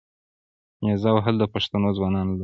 نیزه وهل د پښتنو ځوانانو لوبه ده.